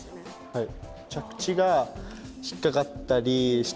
はい。